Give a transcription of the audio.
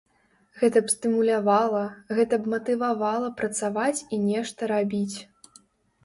Гэта б стымулявала, гэта б матывавала працаваць і нешта рабіць.